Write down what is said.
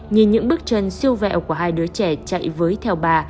nhìn những bước chân siêu vẹo của hai đứa trẻ chạy với theo bà